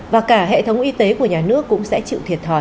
và cả hệ thống y tế của nhà nước cũng sẽ chịu thiệt thòi